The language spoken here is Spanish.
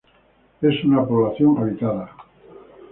Es una población habitada.